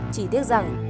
chỉ tiếc rằng